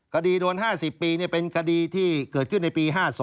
คดีโดน๕๐ปีเป็นคดีที่เกิดขึ้นในปี๕๒